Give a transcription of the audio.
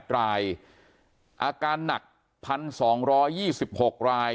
๘รายอาการหนัก๑๒๒๖ราย